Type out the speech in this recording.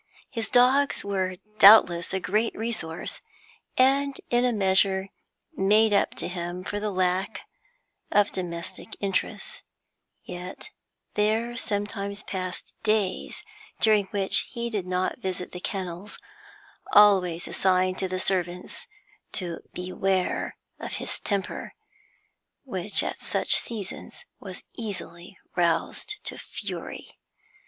His dogs were doubtless a great resource, and in a measure made up to him for the lack of domestic interests; yet there sometimes passed days during which he did not visit the kennels, always a sign to the servants to beware of his temper, which at such seasons was easily roused to fury.